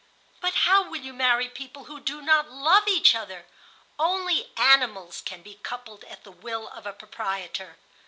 "But how will you marry people who do not love each other? Only animals can be coupled at the will of a proprietor.